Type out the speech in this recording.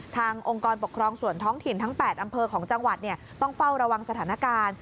องค์กรปกครองส่วนท้องถิ่นทั้ง๘อำเภอของจังหวัดต้องเฝ้าระวังสถานการณ์